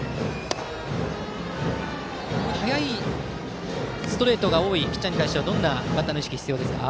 速いストレートが多いピッチャーに対してはどんなバッターの意識が必要ですか？